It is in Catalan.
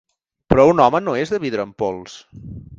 Però un home no és de vidre en pols!